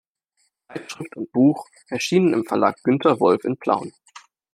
Zeitschrift und Buch erschienen im Verlag Günther Wolff in Plauen.